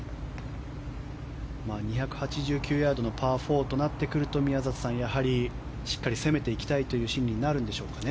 ２８９ヤードのパー４となってくると宮里さん、やはりしっかり攻めていきたいという心理になるんでしょうかね。